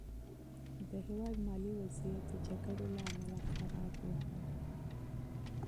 د هېواد مالي وضعیت د جګړو له امله خراب و.